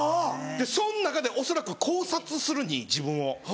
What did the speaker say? そん中で恐らく考察するに自分を。